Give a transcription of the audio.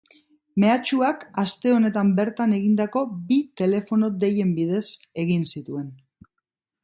Mehatxuak aste honetan bertan egindako bi telefono deien bidez egin zituen.